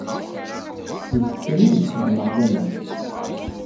D kečč kan ideg xeddmeɣ laman.